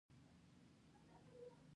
تصور د عمل لومړی ګام دی.